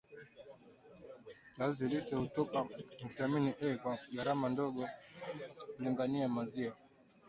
kiazi lishe hutupa vitamini A kwa gharama ndogo kulinganisha maziwa